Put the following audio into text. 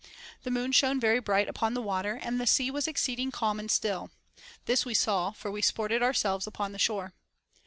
The moon shone very bright upon the water, and the sea was exceeding calm and still ; this we saw, for we sported ourselves upon the shore.